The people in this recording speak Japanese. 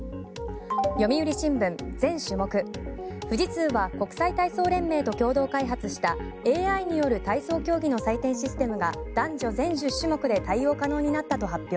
読売新聞、全種目富士通は国際体操連盟と共同開発したＡＩによる体操競技の採点システムが男女全１０種目で対応可能になったと発表。